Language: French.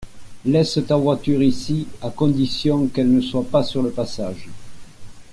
Laisse ta voiture ici à condition qu’elle ne soit pas sur le passage.